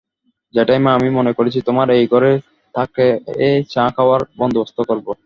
জেঠাইমা, আমি মনে করছি, তোমার এই ঘরেই তাকে চা খাওয়াবার বন্দোবস্ত করব।